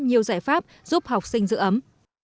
nó có thể giúp giáo viên giữ ấm về phần chống lượng